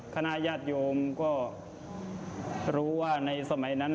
ญาติโยมก็รู้ว่าในสมัยนั้น